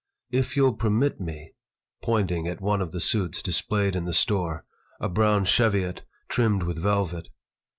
If you'll permit me" pointing at one of the suits displayed in the store, a brown cheviot trimmed with velvet.